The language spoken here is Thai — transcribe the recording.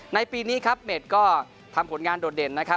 ในปีนี้ครับเม็ดก็ทำผลงานโดดเด่นนะครับ